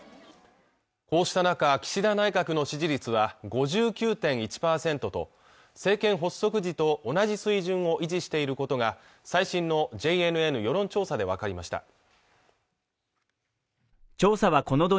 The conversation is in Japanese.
こうした中岸田内閣の支持率は５９．１％と政権発足時と同じ水準を維持していることが最新のＪＮＮ世論調査でわかりました